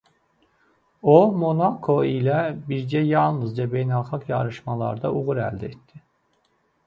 O Monako ilə birgə yalnızca beynəlxalq yarışlarda uğur əldə etdi.